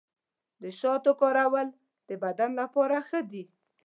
د شاتو کارول د بدن لپاره ښه دي.